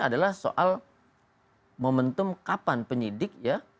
adalah soal momentum kapan penyidik ya